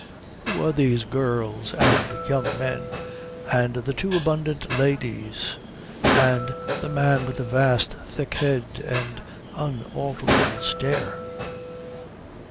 Who were these girls and young men, and the two abundant ladies, and the man with the vast thick head and unalterable stare?